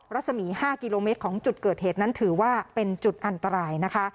รัศมี๕กิโลเมตรของจุดเกิดเหตุนั้นถือว่าเป็นจุดอันตรายนะคะ